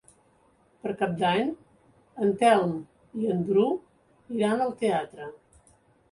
Per Cap d'Any en Telm i en Bru iran al teatre.